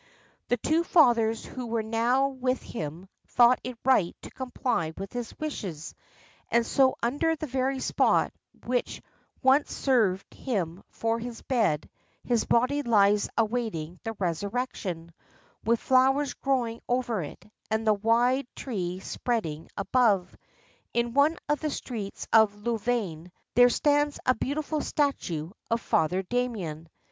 The two Fathers who were now with him thought it right to comply with his wishes; and so under the very spot which once served him for his bed his body lies awaiting the Resurrection, with flowers growing over it and the wide tree spreading above. In one of the streets of Louvain there stands a beautiful statue of Father Damien.